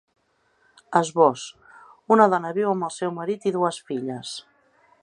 Esbós: Una dona viu amb el seu marit i dues filles.